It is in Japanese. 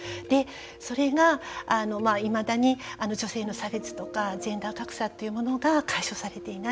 それがいまだに女性の差別とかジェンダー格差というものが解消されていない。